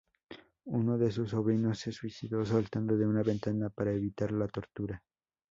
Uno de sus sobrinos se suicidó saltando de una ventana para evitar la tortura.